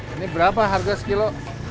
ini berapa harga sekilo